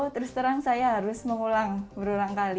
terus terang saya harus mengulang berulang kali